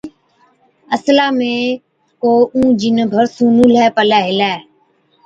اصلا ۾ ڪو اُون جِن ڀرسُون نُونهلَي پلَي هِلَي،